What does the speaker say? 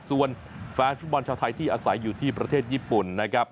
ส่วนแฟนฟุตบอลชาวไทยที่อาศัยอยู่ที่ประเทศญี่ปุ่นนะครับ